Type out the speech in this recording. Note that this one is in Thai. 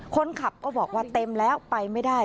คนขับก็บอกว่าเต็มแล้วไปไม่ได้